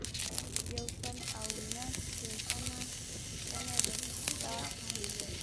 یو سل او نهه شپیتمه پوښتنه رسیدات دي.